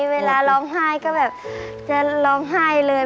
เวลาร้องไห้ก็แบบจะร้องไห้เลย